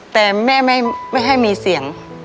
แต่แม่ไม่ให้มีเสียง